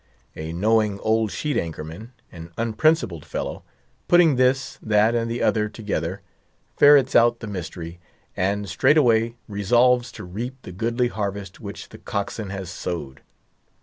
A knowing old sheet anchor man, an unprincipled fellow, putting this, that, and the other together, ferrets out the mystery; and straightway resolves to reap the goodly harvest which the cockswain has sowed.